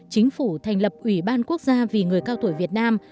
chính phủ thành lập ủy ban quốc gia vì người cao tuổi việt nam